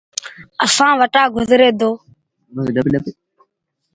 اسآݩ وٽآ گزري دو۔